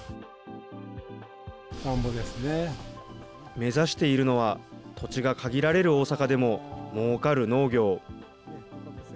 目指しているのは、土地が限られる大阪でももうかる農業。